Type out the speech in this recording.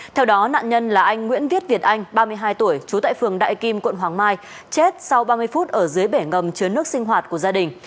theo đó nạn nhân là anh nguyễn viết việt anh ba mươi hai tuổi trú tại phường đại kim quận hoàng mai chết sau ba mươi phút ở dưới bể ngầm chứa nước sinh hoạt của gia đình